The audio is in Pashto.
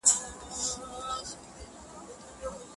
خړي وریځي پر اسمان باندي خپرې وې٫